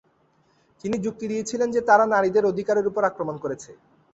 তিনি যুক্তি দিয়েছিলেন যে তারা নারীদের অধিকারের উপর আক্রমণ করেছে।